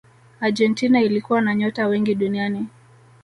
argentina ilikuwa na nyota wengi duniani